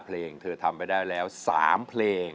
เพลงเธอทำไปได้แล้ว๓เพลง